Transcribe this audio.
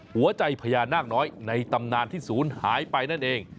หัวใจพญานาคน้อยในตำนานที่ศูนย์หายไปนั่นเอง